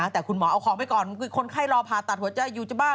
แต่คุณหมอเอาของไปก่อนคือคนไข้รอผ่าตัดหัวใจอยู่จะบ้า